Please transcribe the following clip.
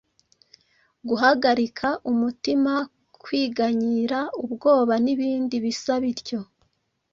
guhagarika umutima, kwiganyira, ubwoba n’ibindi bisa bityo.